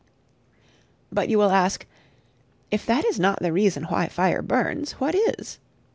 But you will ask, "If that is not the reason why fire burns, what is?"